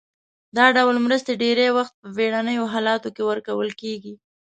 دا ډول مرستې ډیری وخت په بیړنیو حالاتو کې ورکول کیږي.